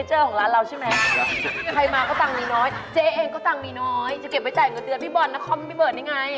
จะเก็บไปจ่ายเงินเดือนพี่บอลนะพี่เบิร์ดนี่ไง